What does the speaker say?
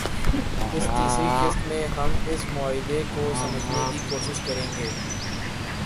اس تیسری قسط میں ہم اس معاہدے کو سمجھنے کی کوشش کریں گے